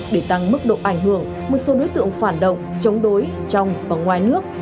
để tăng mức độ ảnh hưởng một số đối tượng phản động chống đối trong và ngoài nước